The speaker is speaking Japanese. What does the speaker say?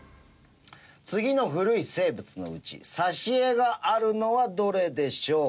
次の古い生物のうち挿絵があるのはどれでしょうか？